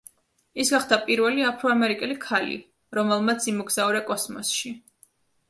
ის გახდა პირველი აფრო-ამერიკელი ქალი, რომელმაც იმოგზაურა კოსმოსში.